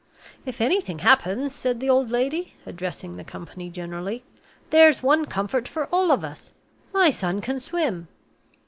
"If anything happens," said the old lady, addressing the company generally, "there's one comfort for all of us. My son can swim."